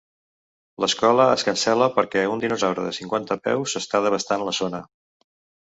L'escola es cancel·la perquè un dinosaure de cinquanta peus està devastant la zona.